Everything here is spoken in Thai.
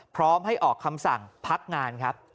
พร้อมให้ออกคำสั่งพักงานครับ